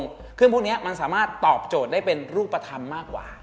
ซึ่งเครื่องพวกนี้มันสามารถตอบโจทย์ได้เป็นรูปธรรมมากกว่า